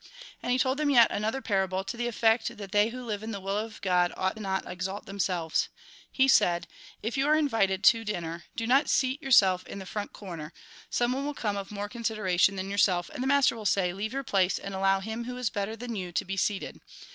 And he told them yet another parable, to the effect that they who live in the will of God ought not to exalt themselves. He said :" If you are invited to dinner, do not seat yourself in the front comer ; someone will come of more consideration than yourself, and the master will say :' Leave your place, and allow him who is better than you to be seated.'